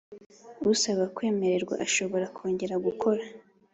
Usaba kwemererwa ashobora kongera gukora